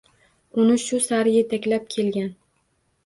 Uni shu sari yetaklab kelgan.